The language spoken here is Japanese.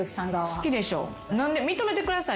好きでしょ？